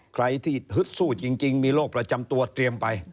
ใครที่ฮึดสู้จริงมีโรคประจำตัวเตรียมไป